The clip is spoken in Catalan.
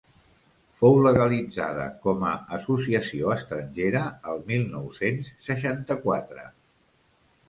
Fou legalitzada, com a associació estrangera, el mil nou-cents seixanta-quatre.